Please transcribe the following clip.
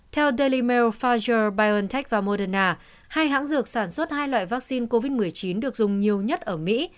theo daily mail pfizer biontech và moderna hai hãng dược sản xuất hai loại vaccine covid một mươi chín được dùng nhiều nhất ở mỹ